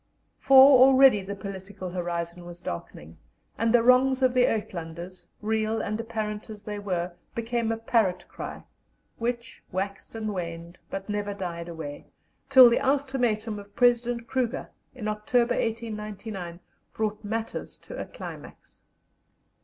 For already the political horizon was darkening, and the wrongs of the "Uitlanders," real and apparent as they were, became a parrot cry, which waxed and waned, but never died away, till the ultimatum of President Kruger, in October, 1899, brought matters to a climax.